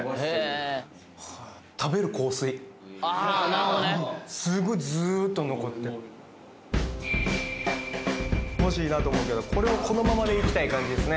なるほどねすごいずーっと残って欲しいなと思うけどこれをこのままでいきたい感じですね